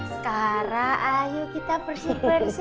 sekarang ayo kita pergi bersih